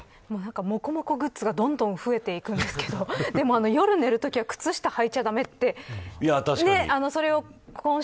もこもこグッズがどんどん増えていくんですけど夜寝るときは靴下をはいちゃ駄目ってそれを今週、